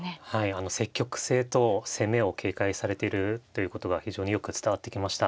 あの積極性と攻めを警戒されているということが非常によく伝わってきました。